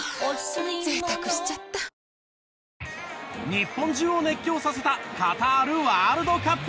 日本中を熱狂させたカタールワールドカップ。